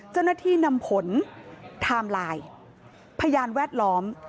เจ้าหน้าที่นำผลไทม์ไลน์พยานแวดล้อม